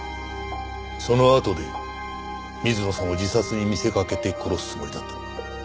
そのあとで水野さんを自殺に見せかけて殺すつもりだったのか。